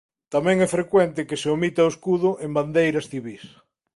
Tamén é frecuente que se omita o escudo en bandeiras civís.